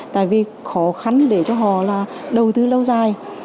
tại vì khó khăn để cho họ là đầu tư lâu dài